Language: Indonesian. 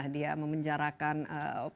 dia memenjarakan pers dan lain sebagainya